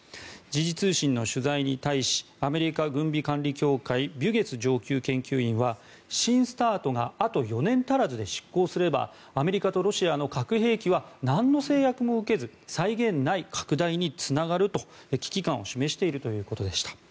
時事通信の取材に対しアメリカ軍備管理協会のビュゲス上級研究員は新ＳＴＡＲＴがあと４年足らずで失効すればアメリカとロシアの核兵器は何の制約も受けず際限ない拡大につながると危機感を示しているということでした。